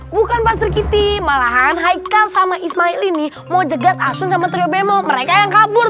bukan pak serikiti malahan haikal sama ismail ini mau jegat asurama terima mereka yang kabur